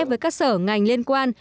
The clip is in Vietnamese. với các sở ngành liên quan